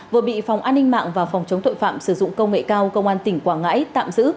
vừa bị phòng an ninh mạng và phòng chống tội phạm sử dụng công nghệ cao công an tỉnh quảng ngãi tạm giữ